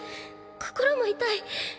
心も痛い。